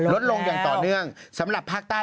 อ๋อลดลงแล้วลดลงอย่างต่อเนื่องสำหรับภาคใต้